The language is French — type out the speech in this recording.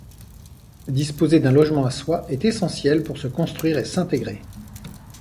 Disposer d’un logement à soi est essentiel pour se construire et s’intégrer.